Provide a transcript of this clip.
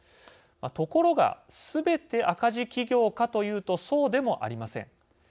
ところが、すべて赤字企業かというと、そうでもありません。